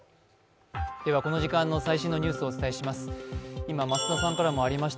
この時間の最新のニュースをお伝えしていきます。